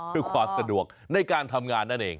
เพื่อความสะดวกในการทำงานนั่นเอง